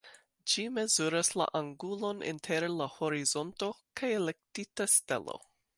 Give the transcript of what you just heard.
Ĝi mezuras la angulon inter la horizonto kaj elektita stelo.